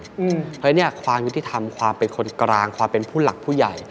เพราะฉะนั้นความยุติธรรมความเป็นคนกลางความเป็นผู้หลักผู้ใหญ่